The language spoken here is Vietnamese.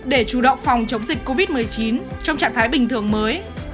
để chủ động phòng chống dịch covid một mươi chín trong trạng thái bình thường mới